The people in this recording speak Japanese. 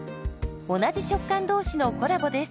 同じ食感同士のコラボです。